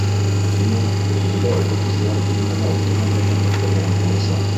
Тимәк, илдә уҡытыусылар төрмәлә ултырғандарҙан да кәмерәк буласаҡ.